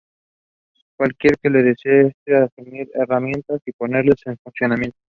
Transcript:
Cualquiera que lo desee puede asumir estas herramientas y ponerlas en funcionamiento.